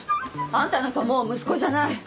あんたなんかもう息子じゃない。